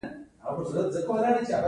لومړی اصل د پلانګذارۍ اهداف ټاکل دي.